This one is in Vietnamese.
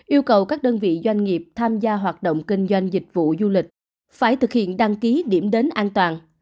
yêu cầu các đơn vị doanh nghiệp tham gia hoạt động kinh doanh dịch vụ du lịch phải thực hiện đăng ký điểm đến an toàn